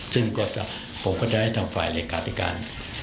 ซึ่งกฎผมก็ได้ให้ทางฝ่ายรายการติการ